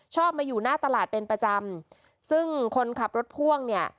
ชอบมาอยู่หน้าตลาดเป็นประจำซึ่งคนขับรถพ่วงเนี่ย